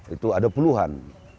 itu ada puluhan